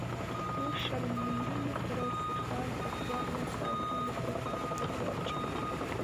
موږ شل ملي متره سیخان په څوارلس سانتي متره فاصله کې اچوو